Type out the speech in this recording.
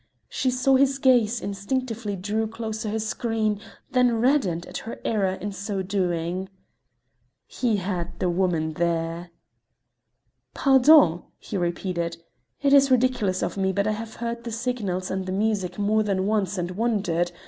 She saw his gaze, instinctively drew closer her screen, then reddened at her error in so doing. He had the woman there! "Pardon!" he repeated. "It is ridiculous of me, but I have heard the signals and the music more than once and wondered.